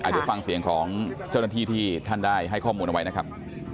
เดี๋ยวฟังเสียงของเจ้าหน้าที่ที่ท่านได้ให้ข้อมูลเอาไว้นะครับ